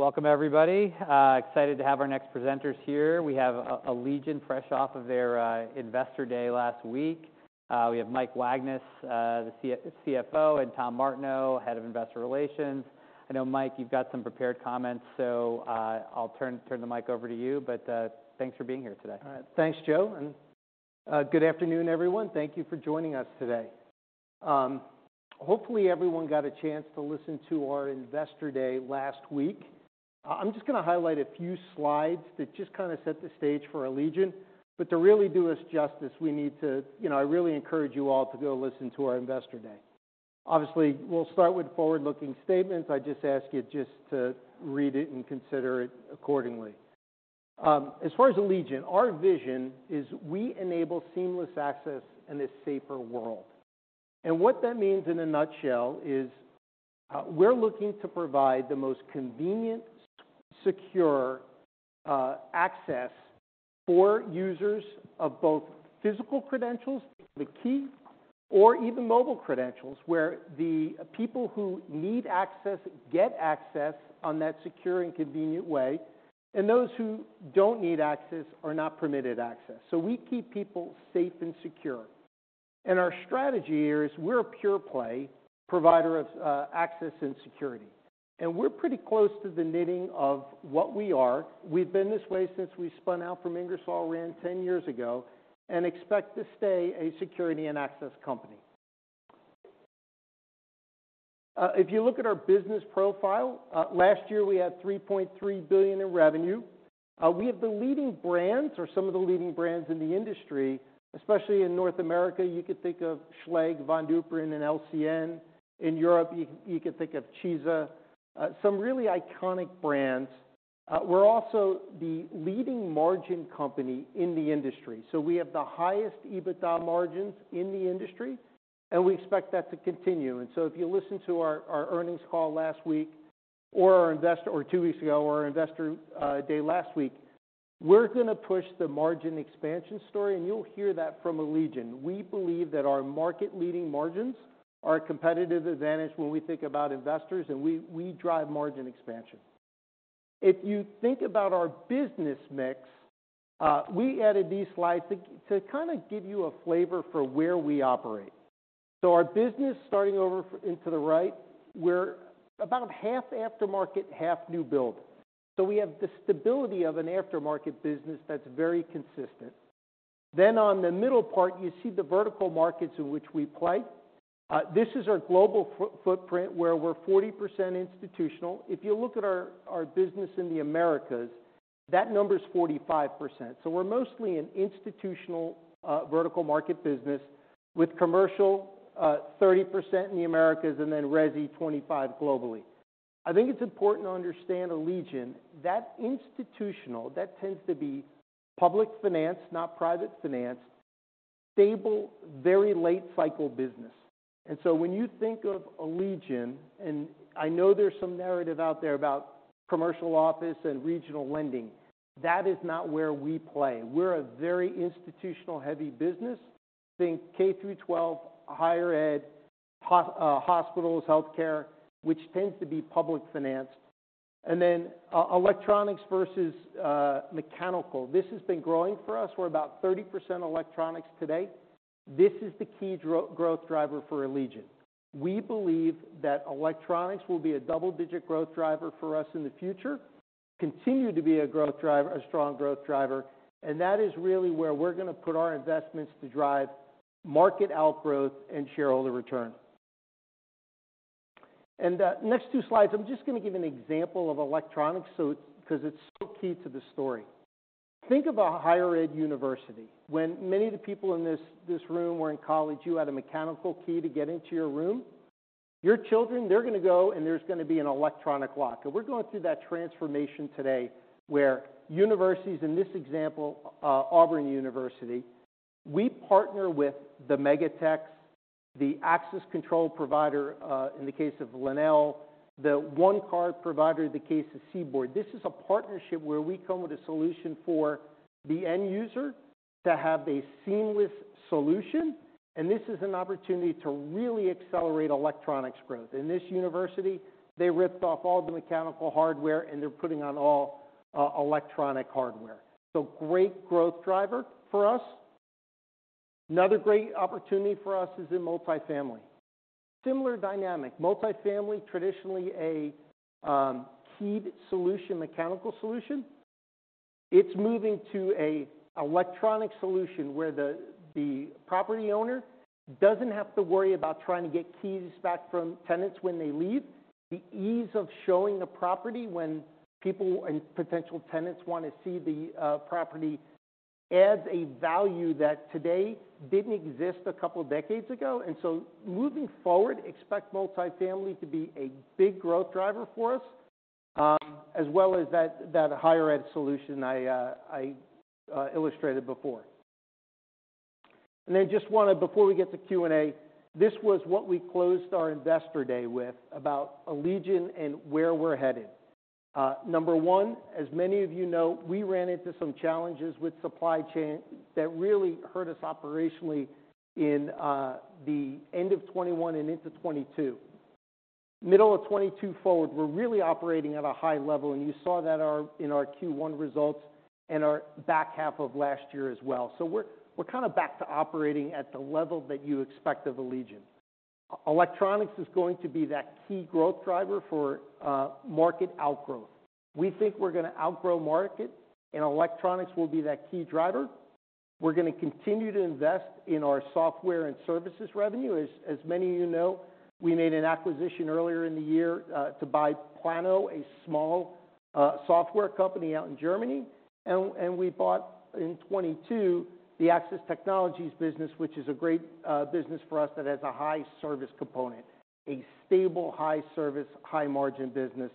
Welcome everybody. Excited to have our next presenters here. We have Allegion fresh off of their investor day last week. We have Mike Wagnes, the CFO, and Tom Martineau, Head of Investor Relations. I know, Mike, you've got some prepared comments, so I'll turn the mic over to you. Thanks for being here today. All right. Thanks, Joe. Good afternoon, everyone. Thank you for joining us today. Hopefully everyone got a chance to listen to our Investor Day last week. I'm just gonna highlight a few slides that just kinda set the stage for Allegion. You know, I really encourage you all to go listen to our Investor Day. Obviously, we'll start with forward-looking statements. I just ask you just to read it and consider it accordingly. As far as Allegion, our vision is we enable seamless access and a safer world. What that means in a nutshell is, we're looking to provide the most convenient, secure access for users of both physical credentials, the key, or even mobile credentials, where the people who need access get access on that secure and convenient way, and those who don't need access are not permitted access. We keep people safe and secure. Our strategy here is we're a pure play provider of access and security. We're pretty close to the knitting of what we are. We've been this way since we spun out from Ingersoll Rand 10 years ago and expect to stay a security and access company. If you look at our business profile, last year we had $3.3 billion in revenue. We have the leading brands or some of the leading brands in the industry, especially in North America. You could think of Schlage, Von Duprin, and LCN. In Europe, you could think of Cisa. Some really iconic brands. We're also the leading margin company in the industry. We have the highest EBITDA margins in the industry, and we expect that to continue. If you listen to our earnings call last week or our investor or two weeks ago, our Investor Day last week, we're gonna push the margin expansion story, and you'll hear that from Allegion. We believe that our market-leading margins are a competitive advantage when we think about investors, and we drive margin expansion. If you think about our business mix, we added these slides to kinda give you a flavor for where we operate. Our business starting over into the right, we're about half aftermarket, half new build. We have the stability of an aftermarket business that's very consistent. On the middle part, you see the vertical markets in which we play. This is our global footprint, where we're 40% institutional. If you look at our business in the Americas, that number is 45%. We're mostly an institutional vertical market business with commercial 30% in the Americas and then resi 25% globally. I think it's important to understand Allegion. That institutional, that tends to be public finance, not private finance, stable, very late cycle business. When you think of Allegion, and I know there's some narrative out there about commercial office and regional lending, that is not where we play. We're a very institutional-heavy business. Think K–12, hospitals, healthcare, which tends to be public financed. Then, electronics versus mechanical. This has been growing for us. We're about 30% electronics today. This is the key growth driver for Allegion. We believe that electronics will be a double-digit growth driver for us in the future, continue to be a growth driver, a strong growth driver, and that is really where we're gonna put our investments to drive market outgrowth and shareholder return. Next two slides, I'm just gonna give an example of electronics, 'cause it's so key to the story. Think of a higher ed university. When many of the people in this room were in college, you had a mechanical key to get into your room. Your children, they're gonna go, and there's gonna be an electronic lock. We're going through that transformation today where universities, in this example, Auburn University, we partner with the Megatechs, the access control provider, in the case of Lenel, the OneCard provider, in the case of CBORD. This is a partnership where we come with a solution for the end user to have a seamless solution, and this is an opportunity to really accelerate electronics growth. In this university, they ripped off all the mechanical hardware, and they're putting on all electronic hardware. Great growth driver for us. Another great opportunity for us is in multifamily. Similar dynamic. Multifamily, traditionally a keyed solution, mechanical solution. It's moving to a electronic solution where the property owner doesn't have to worry about trying to get keys back from tenants when they leave. The ease of showing a property when people and potential tenants wanna see the property adds a value that today didn't exist a couple decades ago. Moving forward, expect multifamily to be a big growth driver for us, as well as that higher ed solution I illustrated before. I just wanna, before we get to Q&A, this was what we closed our Investor Day with about Allegion and where we're headed. Number one, as many of you know, we ran into some challenges with supply chain that really hurt us operationally in the end of 2021 and into 2022. Middle of 2022 forward, we're really operating at a high level, and you saw that our, in our Q1 results and our back half of last year as well. We're kind of back to operating at the level that you expect of Allegion. Electronics is going to be that key growth driver for market outgrowth. We think we're gonna outgrow market, and electronics will be that key driver. We're gonna continue to invest in our software and services revenue. As many of you know, we made an acquisition earlier in the year to buy Plano, a small software company out in Germany. And we bought in 2022 the Access Technologies business, which is a great business for us that has a high service component, a stable high service, high margin business.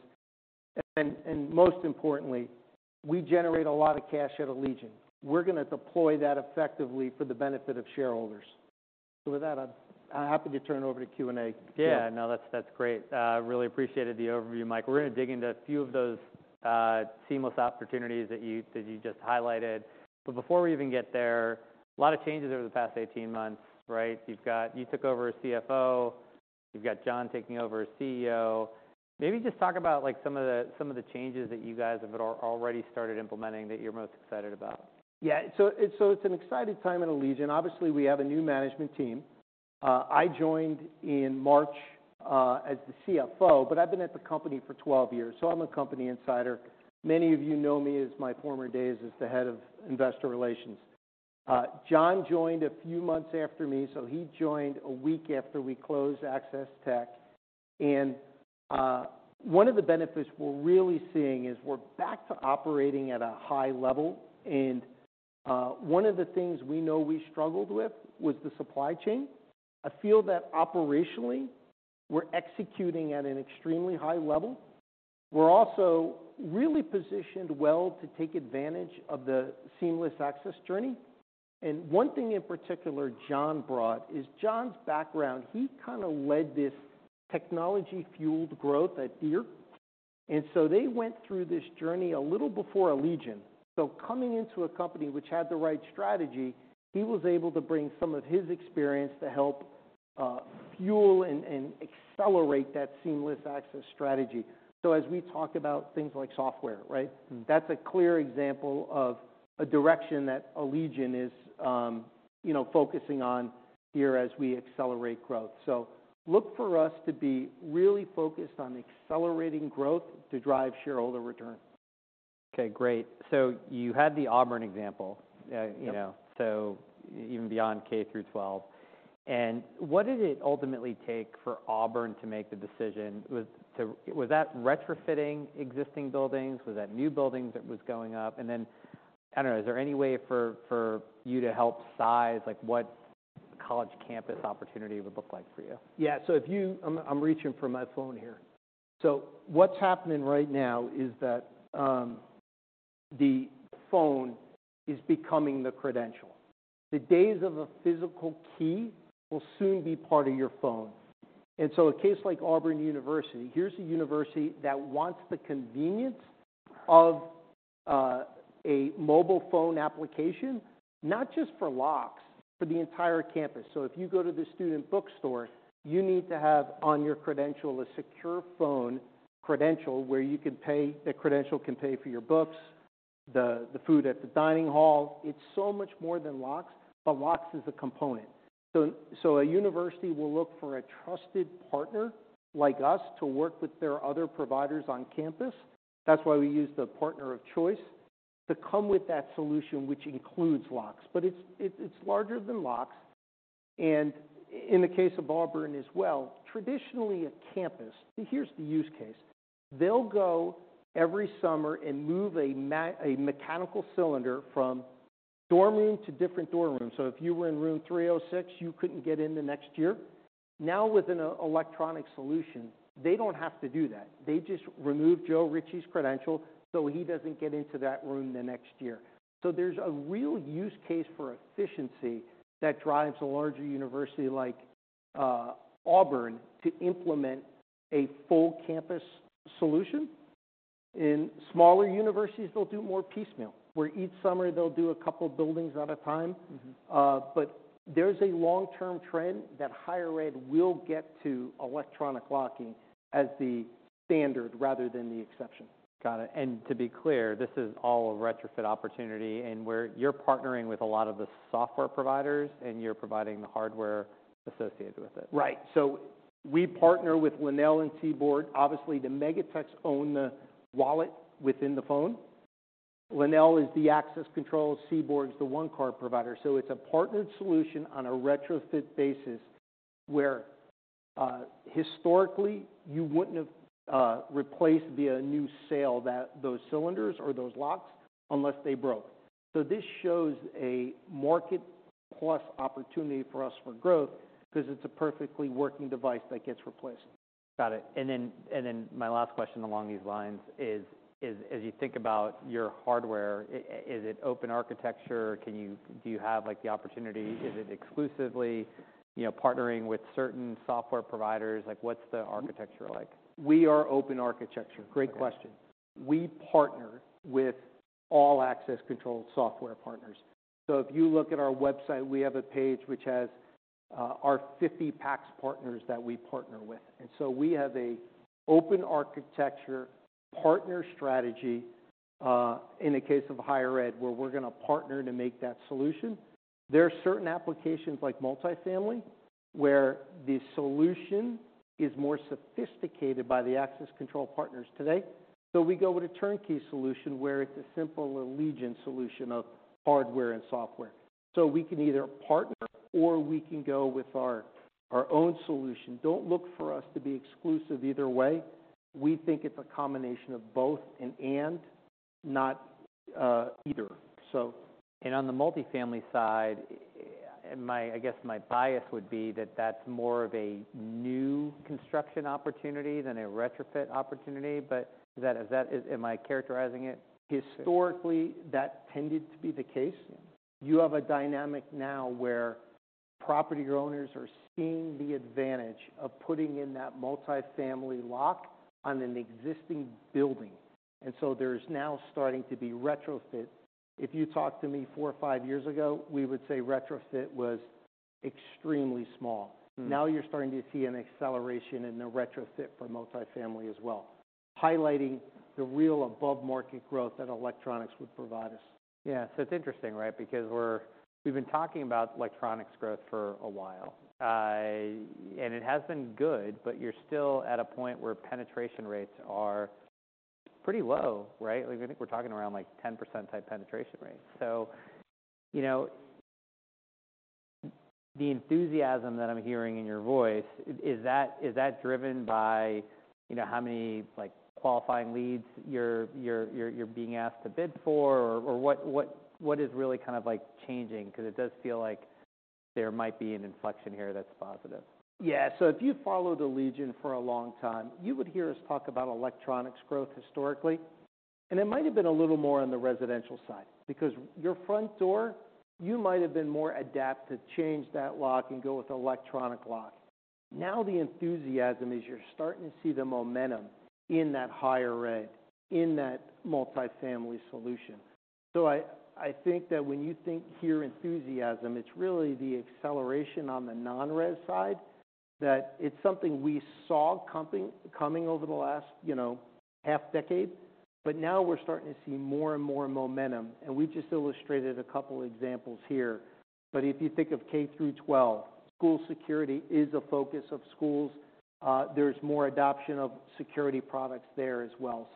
And most importantly, we generate a lot of cash at Allegion. We're gonna deploy that effectively for the benefit of shareholders. With that, I'm happy to turn it over to Q&A. Yeah. No, that's great. Really appreciated the overview, Mike. We're gonna dig into a few of those seamless opportunities that you just highlighted. Before we even get there, a lot of changes over the past 18 months, right? You took over as CFO, you've got John taking over as CEO. Maybe just talk about like some of the changes that you guys have already started implementing that you're most excited about? It's an exciting time at Allegion. Obviously, we have a new management team. I joined in March as the CFO, but I've been at the company for 12 years, so I'm a company insider. Many of you know me as my former days as the head of investor relations. John joined a few months after me, so he joined a week after we closed Access Tech. One of the benefits we're really seeing is we're back to operating at a high level, and one of the things we know we struggled with was the supply chain. I feel that operationally, we're executing at an extremely high level. We're also really positioned well to take advantage of the seamless access journey. One thing in particular John brought is John's background. He kind of led this technology-fueled growth at Deere. They went through this journey a little before Allegion. Coming into a company which had the right strategy, he was able to bring some of his experience to help fuel and accelerate that seamless access strategy. As we talk about things like software, right? Mm-hmm. That's a clear example of a direction that Allegion is, you know, focusing on here as we accelerate growth. Look for us to be really focused on accelerating growth to drive shareholder return. Okay, great. You had the Auburn example. Yep. You know, even beyond K–12. What did it ultimately take for Auburn to make the decision with? Was that retrofitting existing buildings? Was that new buildings that was going up? I don't know, is there any way for you to help size like what college campus opportunity would look like for you? Yeah. I'm reaching for my phone here. What's happening right now is that the phone is becoming the credential. The days of a physical key will soon be part of your phone. A case like Auburn University, here's a university that wants the convenience of a mobile phone application, not just for locks, for the entire campus. If you go to the student bookstore, you need to have on your credential a secure phone credential where you can pay, the credential can pay for your books, the food at the dining hall. It's so much more than locks, but locks is a component. A university will look for a trusted partner like us to work with their other providers on campus, that's why we use the partner of choice, to come with that solution which includes locks. It's, it's larger than locks. In the case of Auburn as well, traditionally a campus, here's the use case. They'll go every summer and move a mechanical cylinder from dorm room to different dorm rooms. If you were in room 306, you couldn't get in the next year. Now, with an electronic solution, they don't have to do that. They just remove Joe Ritchie's credential, so he doesn't get into that room the next year. There's a real use case for efficiency that drives a larger university like Auburn to implement a full campus solution. In smaller universities, they'll do more piecemeal, where each summer they'll do a couple buildings at a time. Mm-hmm. There's a long-term trend that higher ed will get to electronic locking as the standard rather than the exception. Got it. To be clear, this is all a retrofit opportunity and where you're partnering with a lot of the software providers, and you're providing the hardware associated with it. Right. We partner with Lenel and CBORD. Obviously, the Megatechs own the wallet within the phone. Lenel is the access control, CBORD is the OneCard provider. It's a partnered solution on a retrofit basis, where historically you wouldn't have replaced via a new sale that those cylinders or those locks unless they broke. This shows a market plus opportunity for us for growth 'cause it's a perfectly working device that gets replaced. Got it. Then, and then my last question along these lines is as you think about your hardware, is it open architecture? Do you have like the opportunity? Is it exclusively. You know, partnering with certain software providers, like what's the architecture like? We are open architecture. Okay. Great question. We partner with all access control software partners. If you look at our website, we have a page which has our 50 PACS partners that we partner with. We have a open architecture partner strategy in the case of higher ed, where we're gonna partner to make that solution. There are certain applications like multifamily, where the solution is more sophisticated by the access control partners today. We go with a turnkey solution, where it's a simple Allegion solution of hardware and software. We can either partner or we can go with our own solution. Don't look for us to be exclusive either way. We think it's a combination of both and not either. On the multifamily side, I guess my bias would be that that's more of a new construction opportunity than a retrofit opportunity, but is that... Am I characterizing it? Historically, that tended to be the case. Yeah. You have a dynamic now where property owners are seeing the advantage of putting in that multifamily lock on an existing building. There is now starting to be retrofit. If you talked to me four or five years ago, we would say retrofit was extremely small. Mm. You're starting to see an acceleration in the retrofit for multifamily as well, highlighting the real above-market growth that electronics would provide us. Yeah. It's interesting, right? Because we've been talking about electronics growth for a while. It has been good, but you're still at a point where penetration rates are pretty low, right? Like, I think we're talking around, like, 10% type penetration rates. You know, the enthusiasm that I'm hearing in your voice, is that driven by, you know, how many, like, qualifying leads you're being asked to bid for? Or what is really kind of like changing? 'Cause it does feel like there might be an inflection here that's positive. Yeah. If you followed Allegion for a long time, you would hear us talk about electronics growth historically, and it might have been a little more on the residential side because your front door, you might have been more adapt to change that lock and go with electronic lock. Now the enthusiasm is you're starting to see the momentum in that higher ed, in that multifamily solution. I think that when you think, hear enthusiasm, it's really the acceleration on the non-res side, that it's something we saw coming over the last, you know, half decade. Now we're starting to see more and more momentum, and we've just illustrated a couple examples here. If you think of K–12, school security is a focus of schools. There's more adoption of security products there as well.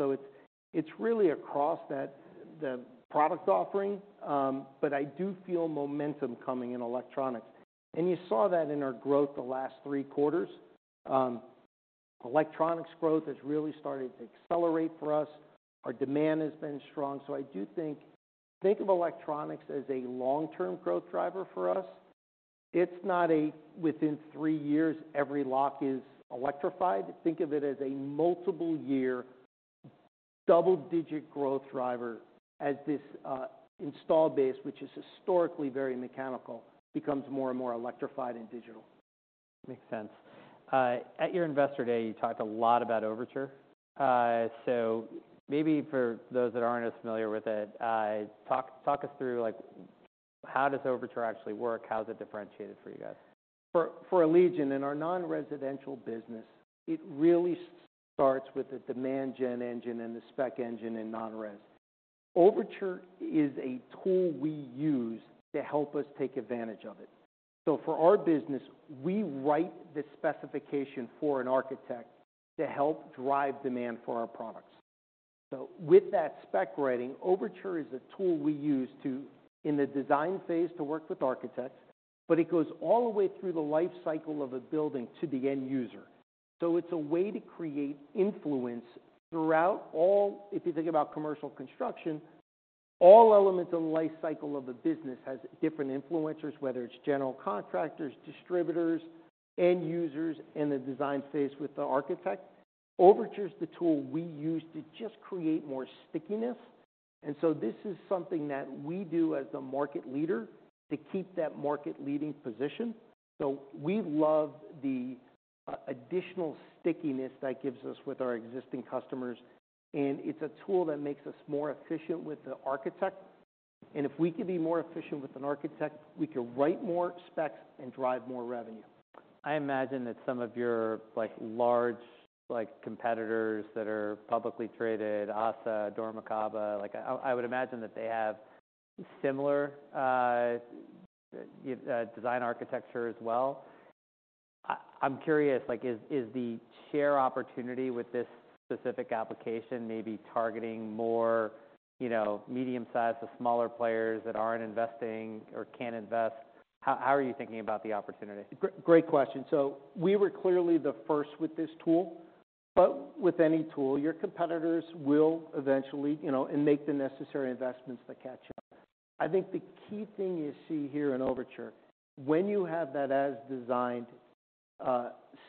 It's really across that, the product offering, but I do feel momentum coming in electronics. You saw that in our growth the last three quarters. Electronics growth has really started to accelerate for us. Our demand has been strong. I do think of electronics as a long-term growth driver for us. It's not a within three years, every lock is electrified. Think of it as a multiple year, double-digit growth driver as this install base, which is historically very mechanical, becomes more and more electrified and digital. Makes sense. At your Investor Day, you talked a lot about Overtur. Maybe for those that aren't as familiar with it, talk us through, like, how does Overtur actually work? How is it differentiated for you guys? For Allegion, in our non-residential business, it really starts with the demand gen engine and the spec engine in non-res. Overtur is a tool we use to help us take advantage of it. For our business, we write the specification for an architect to help drive demand for our products. With that spec writing, Overtur is a tool we use to, in the design phase, to work with architects, but it goes all the way through the life cycle of a building to the end user. It's a way to create influence throughout all... If you think about commercial construction, all elements of the life cycle of a business has different influencers, whether it's general contractors, distributors, end users, in the design phase with the architect. Overtur's the tool we use to just create more stickiness. This is something that we do as the market leader to keep that market-leading position. We love the additional stickiness that gives us with our existing customers, and it's a tool that makes us more efficient with the architect. If we can be more efficient with an architect, we can write more specs and drive more revenue. I imagine that some of your, like, large, like, competitors that are publicly traded, ASSA, dormakaba, like, I would imagine that they have similar design architecture as well. I'm curious, like, is the share opportunity with this specific application maybe targeting more, you know, medium-sized to smaller players that aren't investing or can't invest? How, how are you thinking about the opportunity? Great question. We were clearly the first with this tool, but with any tool, your competitors will eventually, you know, and make the necessary investments to catch up. I think the key thing you see here in Overtur, when you have that as-designed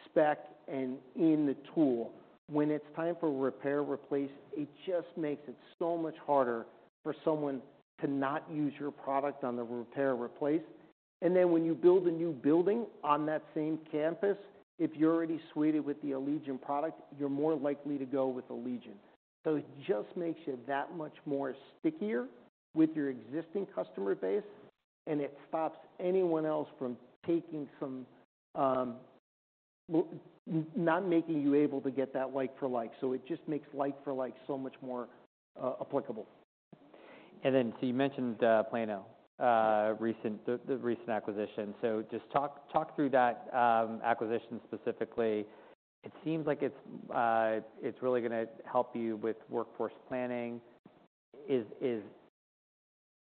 spec in the tool. When it's time for repair, replace, it just makes it so much harder for someone to not use your product on the repair or replace. When you build a new building on that same campus, if you're already suited with the Allegion product, you're more likely to go with Allegion. It just makes you that much more stickier with your existing customer base, and it stops anyone else from taking some, not making you able to get that like for like. It just makes like for like so much more applicable. You mentioned plano, the recent acquisition. Just talk through that acquisition specifically. It seems like it's really gonna help you with workforce planning.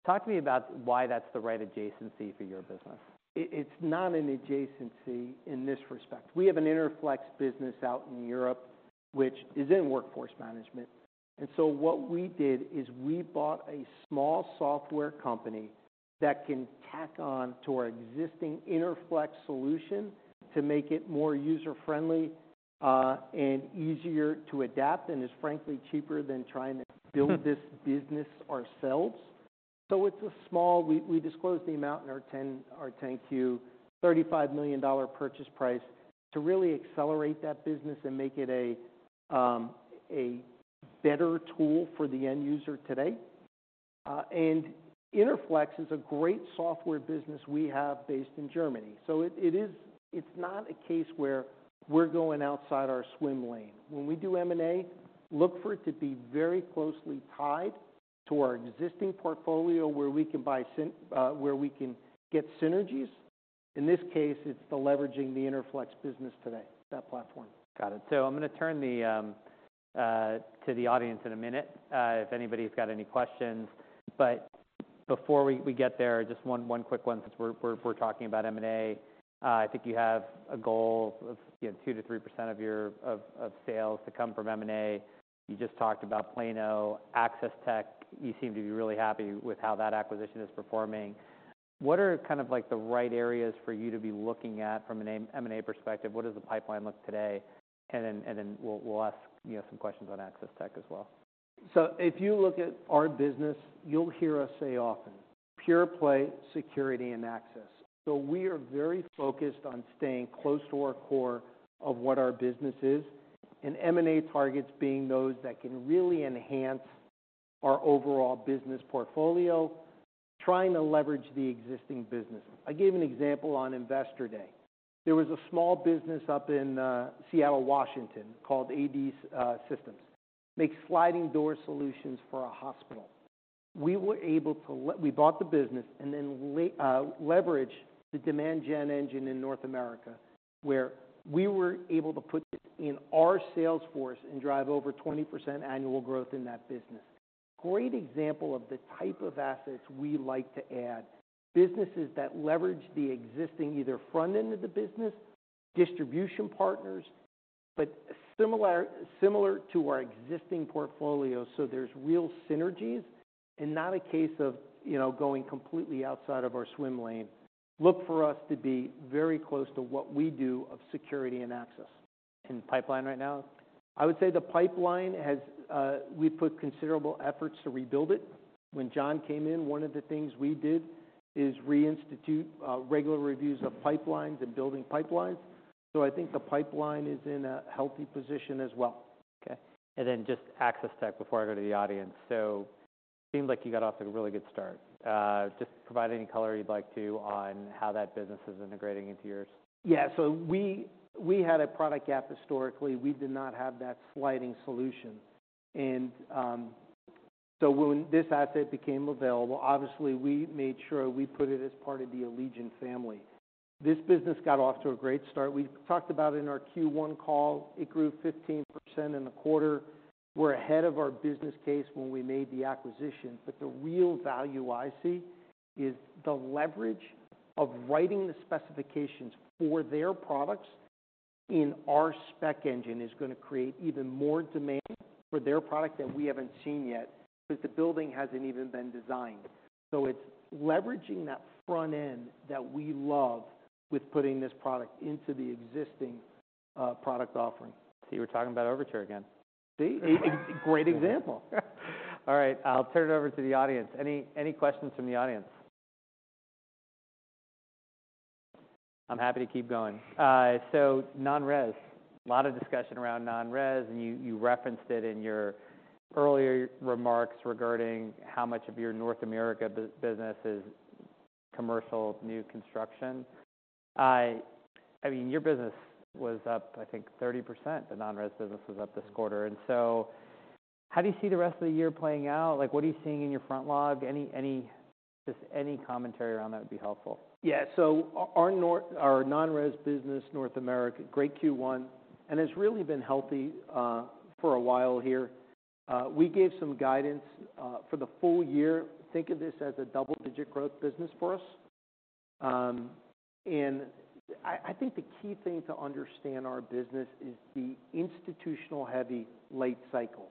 Talk to me about why that's the right adjacency for your business? It's not an adjacency in this respect. We have an Interflex business out in Europe, which is in workforce management. What we did is we bought a small software company that can tack on to our existing Interflex solution to make it more user-friendly and easier to adapt, and is frankly cheaper than trying to build this business ourselves. It's a small... We disclosed the amount in our 10-Q, $35 million purchase price to really accelerate that business and make it a better tool for the end user today. Interflex is a great software business we have based in Germany. It's not a case where we're going outside our swim lane. When we do M&A, look for it to be very closely tied to our existing portfolio where we can get synergies. In this case, it's the leveraging the Interflex business today, that platform. Got it. I'm gonna turn to the audience in a minute, if anybody's got any questions. Before we get there, just one quick one since we're talking about M&A. I think you have a goal of, you know, 2%-3% of your sales to come from M&A. You just talked about Plano. Access Tec, you seem to be really happy with how that acquisition is performing. What are kind of like the right areas for you to be looking at from an M&A perspective? What does the pipeline look today? Then we'll ask, you know, some questions on Access Tec as well. If you look at our business, you'll hear us say often, pure play security and access. We are very focused on staying close to our core of what our business is, and M&A targets being those that can really enhance our overall business portfolio, trying to leverage the existing business. I gave an example on Investor Day. There was a small business up in Seattle, Washington, called AD Systems. Makes sliding door solutions for a hospital. We were able to we bought the business and then leverage the demand gen engine in North America, where we were able to put it in our sales force and drive over 20% annual growth in that business. Great example of the type of assets we like to add, businesses that leverage the existing either front end of the business, distribution partners, but similar to our existing portfolio, so there's real synergies and not a case of, you know, going completely outside of our swim lane. Look for us to be very close to what we do of security and access. Pipeline right now? I would say the pipeline has we've put considerable efforts to rebuild it. When Jon came in, one of the things we did is reinstitute regular reviews of pipelines and building pipelines. I think the pipeline is in a healthy position as well. Okay. Just Access Tech before I go to the audience. Seemed like you got off to a really good start. Just provide any color you'd like to on how that business is integrating into yours. Yeah. We had a product gap historically. We did not have that sliding solution. When this asset became available, obviously, we made sure we put it as part of the Allegion family. This business got off to a great start. We talked about it in our Q1 call. It grew 15% in a quarter. We're ahead of our business case when we made the acquisition. The real value I see is the leverage of writing the specifications for their products in our spec engine is going to create even more demand for their product that we haven't seen yet because the building hasn't even been designed. It's leveraging that front end that we love with putting this product into the existing product offering. See, we're talking about Overtur again. See? Great example. All right, I'll turn it over to the audience. Any questions from the audience? I'm happy to keep going. Non-res, a lot of discussion around non-res, and you referenced it in your earlier remarks regarding how much of your North America business is commercial new construction. I mean, your business was up, I think, 30%, the non-res business was up this quarter. How do you see the rest of the year playing out? Like, what are you seeing in your front log? Any commentary around that would be helpful. Yeah. Our non-res business, North America, great Q1, and it's really been healthy for a while here. We gave some guidance for the full year. Think of this as a double-digit growth business for us. I think the key thing to understand our business is the institutional heavy late cycle.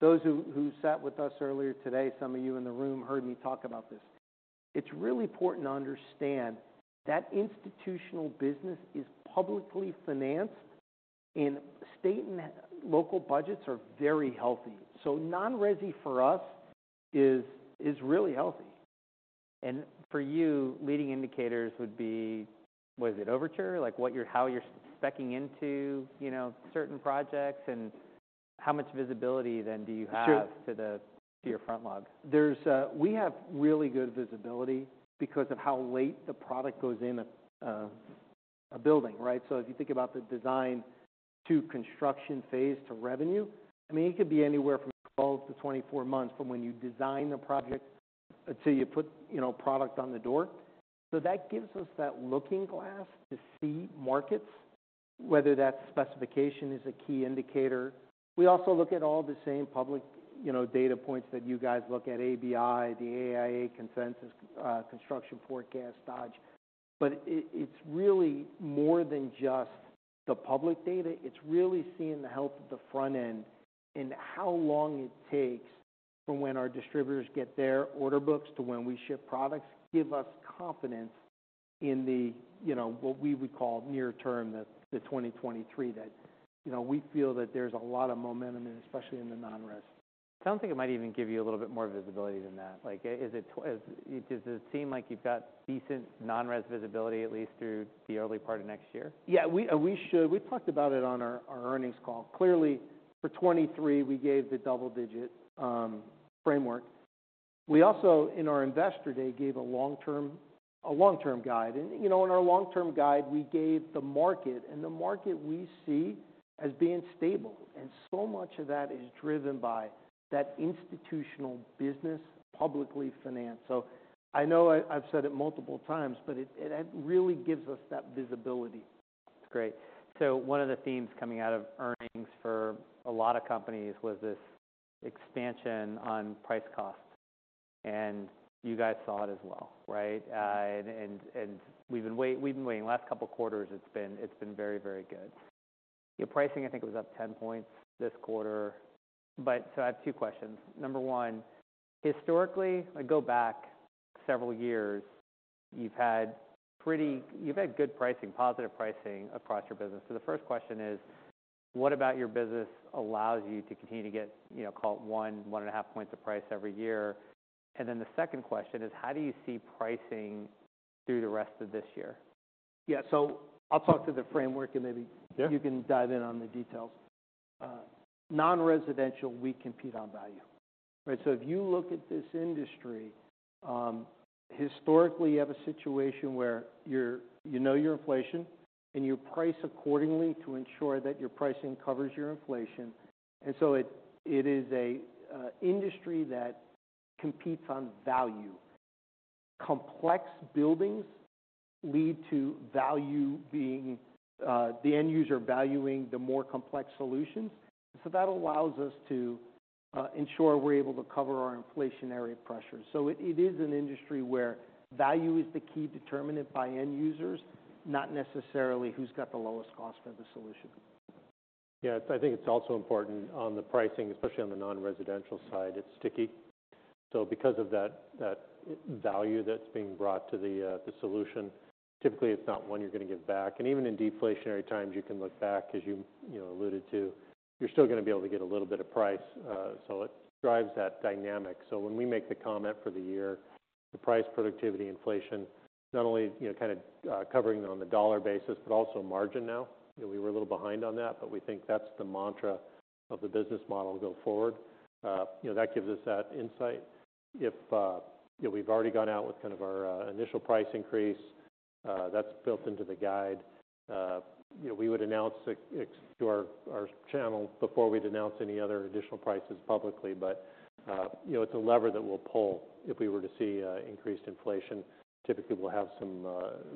Those who sat with us earlier today, some of you in the room heard me talk about this. It's really important to understand that institutional business is publicly financed, and state and local budgets are very healthy. Non-resi for us is really healthy. For you, leading indicators would be, what is it, Overtur? Like how you're speccing into, you know, certain projects and how much visibility then do you have... Sure to the, to your front log? There's. We have really good visibility because of how late the product goes in a building, right? If you think about the design to construction phase to revenue, I mean, it could be anywhere from 12 to 24 months from when you design a project until you put, you know, product on the door. That gives us that looking glass to see markets, whether that specification is a key indicator. We also look at all the same public, you know, data points that you guys look at, ABI, the AIA Consensus Construction Forecast, Dodge. It's really more than just the public data. It's really seeing the health of the front end and how long it takes from when our distributors get their order books to when we ship products, give us confidence in the, you know, what we would call near term, the 2023 that, you know, we feel that there's a lot of momentum, and especially in the non-res. Sounds like it might even give you a little bit more visibility than that. Like, does it seem like you've got decent non-res visibility at least through the early part of next year? Yeah. We should. We talked about it on our earnings call. Clearly for 23, we gave the double digit framework. We also, in our investor day, gave a long-term guide. You know, in our long-term guide, we gave the market, and the market we see as being stable. So much of that is driven by that institutional business, publicly financed. I know I've said it multiple times, but it really gives us that visibility. That's great. One of the themes coming out of earnings for a lot of companies was this expansion on price costs, and you guys saw it as well, right? We've been waiting. Last couple quarters, it's been very, very good. Your pricing, I think, was up 10 points this quarter. I have two questions. Number one, historically, like go back several years, you've had good pricing, positive pricing across your business. The first question is, what about your business allows you to continue to get, you know, call it one, 1.5 points of price every year? The second question is, how do you see pricing through the rest of this year? Yeah. I'll talk to the framework. Sure... you can dive in on the details. Non-residential, we compete on value, right? If you look at this industry, historically, you have a situation where you know your inflation, and you price accordingly to ensure that your pricing covers your inflation. It is an industry that competes on value. Complex buildings lead to value being the end user valuing the more complex solutions. That allows us to ensure we're able to cover our inflationary pressures. It is an industry where value is the key determinant by end users, not necessarily who's got the lowest cost for the solution. I think it's also important on the pricing, especially on the non-residential side, it's sticky. Because of that value that's being brought to the solution, typically it's not one you're gonna give back. Even in deflationary times, you can look back, as you know, alluded to, you're still gonna be able to get a little bit of price. It drives that dynamic. When we make the comment for the year, the price productivity inflation, not only, you know, kinda covering it on the dollar basis, but also margin now. You know, we were a little behind on that, but we think that's the mantra of the business model going forward. You know, that gives us that insight. If, you know, we've already gone out with kind of our initial price increase, that's built into the guide. you know, we would announce it to our channel before we'd announce any other additional prices publicly. you know, it's a lever that we'll pull if we were to see increased inflation. Typically, we'll have some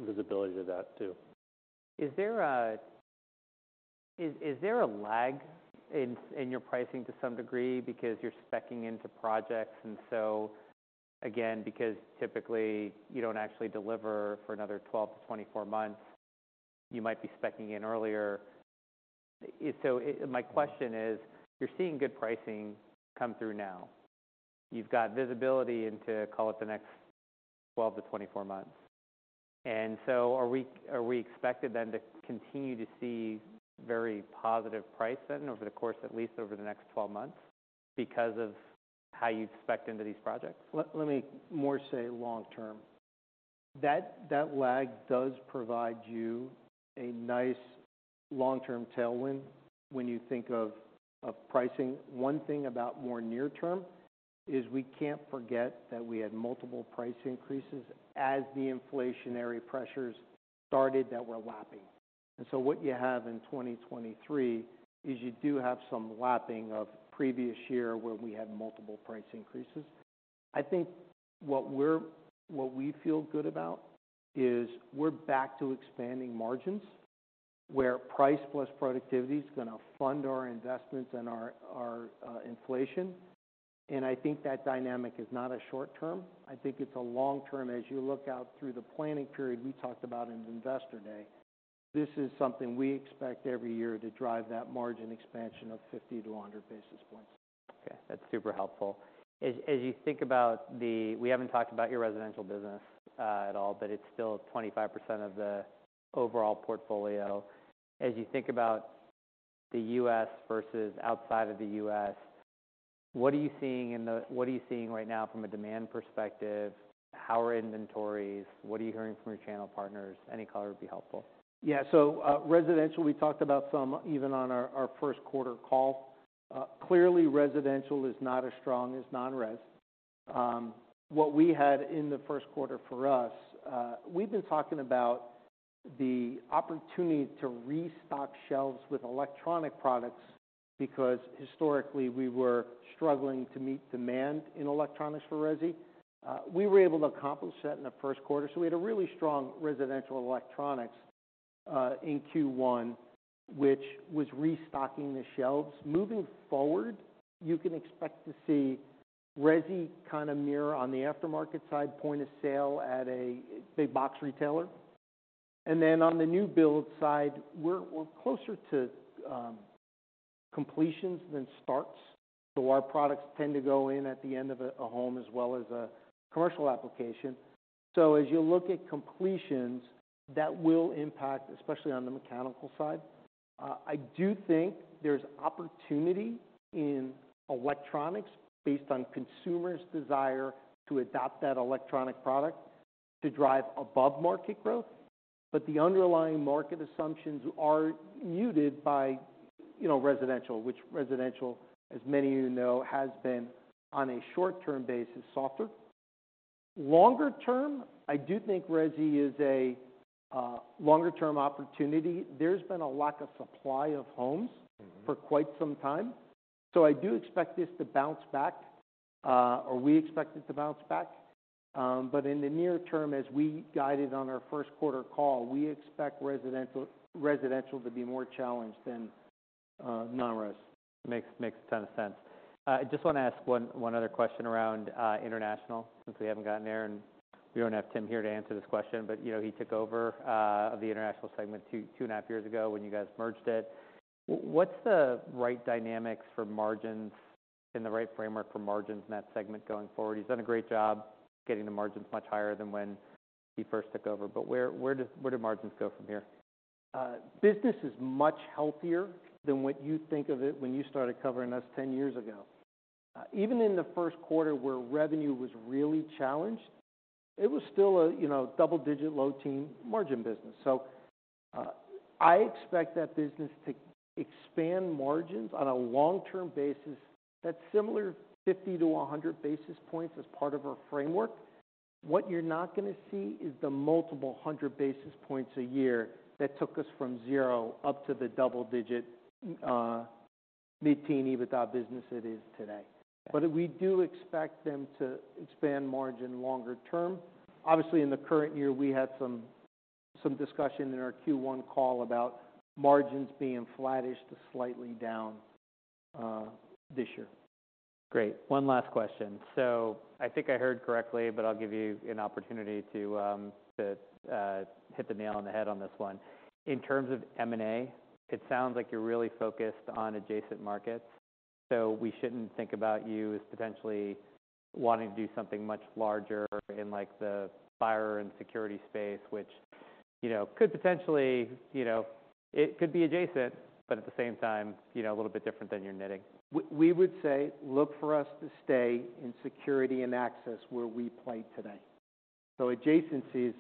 visibility to that too. Is there a lag in your pricing to some degree because you're speccing into projects, again, because typically you don't actually deliver for another 12 to 24 months, you might be speccing in earlier? My question is, you're seeing good pricing come through now. You've got visibility into, call it, the next 12 to 24 months. Are we expected then to continue to see very positive price then over the course, at least over the next 12 months because of how you'd spec into these projects? Let me more say long term. That lag does provide you a nice long-term tailwind when you think of pricing. One thing about more near term is we can't forget that we had multiple price increases as the inflationary pressures started that we're lapping. So what you have in 2023 is you do have some lapping of previous year where we had multiple price increases. I think what we feel good about is we're back to expanding margins, where price plus productivity is gonna fund our investments and our inflation. I think that dynamic is not a short term. I think it's a long term. As you look out through the planning period we talked about in Investor Day. This is something we expect every year to drive that margin expansion of 50-100 basis points. Okay. That's super helpful. We haven't talked about your residential business at all, but it's still 25% of the overall portfolio. As you think about the U.S. versus outside of the U.S., what are you seeing right now from a demand perspective? How are inventories? What are you hearing from your channel partners? Any color would be helpful. Residential, we talked about some even on our 1st quarter call. Clearly residential is not as strong as non-res. What we had in the 1st quarter for us, we've been talking about the opportunity to restock shelves with electronic products because historically we were struggling to meet demand in electronics for resi. We were able to accomplish that in the 1st quarter, so we had a really strong residential electronics in Q1, which was restocking the shelves. Moving forward, you can expect to see resi kind of mirror on the aftermarket side, point of sale at a big box retailer. On the new build side, we're closer to completions than starts. Our products tend to go in at the end of a home as well as a commercial application. As you look at completions, that will impact, especially on the mechanical side. I do think there's opportunity in electronics based on consumers' desire to adopt that electronic product to drive above-market growth. The underlying market assumptions are muted by, you know, residential, which residential, as many of you know, has been on a short-term basis, softer. Longer term, I do think resi is a longer-term opportunity. There's been a lack of supply of homes. Mm-hmm. for quite some time. I do expect this to bounce back, or we expect it to bounce back. In the near term, as we guided on our first quarter call, we expect residential to be more challenged than non-res. Makes a ton of sense. I just wanna ask one other question around international, since we haven't gotten there, and we don't have Tim here to answer this question. You know, he took over the international segment 2.5 years ago when you guys merged it. What's the right dynamics for margins and the right framework for margins in that segment going forward? He's done a great job getting the margins much higher than when he first took over, but where do margins go from here? Business is much healthier than what you think of it when you started covering us 10 years ago. Even in the first quarter where revenue was really challenged, it was still a, you know, double-digit low-teen margin business. I expect that business to expand margins on a long-term basis that's similar 50-100 basis points as part of our framework. What you're not gonna see is the multiple 100 basis points a year that took us from 0 up to the double-digit mid-teen EBITDA business it is today. We do expect them to expand margin longer term. Obviously, in the current year, we had some discussion in our Q1 call about margins being flattish to slightly down this year. Great. One last question. I think I heard correctly, but I'll give you an opportunity to hit the nail on the head on this one. In terms of M&A, it sounds like you're really focused on adjacent markets. We shouldn't think about you as potentially wanting to do something much larger in like the fire and security space, which, you know, could potentially, you know, it could be adjacent, but at the same time, you know, a little bit different than your knitting. We would say look for us to stay in security and access where we play today. Adjacencies,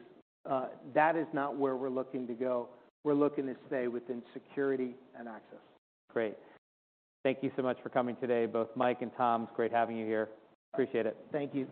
that is not where we're looking to go. We're looking to stay within security and access. Great. Thank you so much for coming today, both Mike and Tom. It's great having you here. Appreciate it. Thank you.